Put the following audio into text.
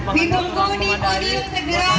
bimbingkong di tegera